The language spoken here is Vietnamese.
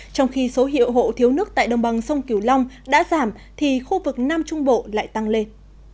trong khi số hiệu hộ thiếu nước tại đồng bằng sông kiều long đã giảm thì khu vực nam trung bộ lại tăng lên